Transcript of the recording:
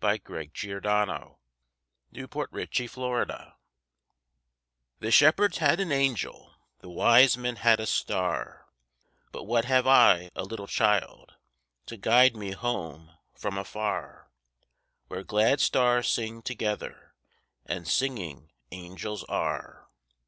Bas Quercy THE SHEPHERDS HAD AN ANGEL The shepherds had an angel, The wise men had a star; But what have I, a little child, To guide me home from far, Where glad stars sing together, And singing angels are?